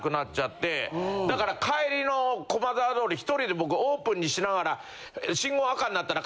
だから帰りの駒沢通り１人で僕オープンにしながら。